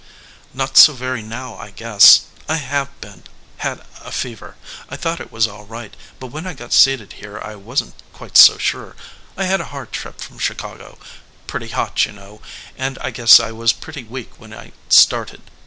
"Not so very now, I guess. I have been. Had a fever. I thought I was all right, but when I got seated here I wasn t quite so sure. I had a hard trip from Chicago pretty hot, you know, and I guess I was pretty weak when I started.